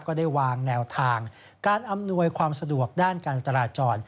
ก็ได้วางแนวทางการอำนวยความสะดวกด้านการจราจร